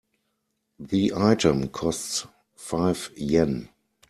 The item costs five Yen.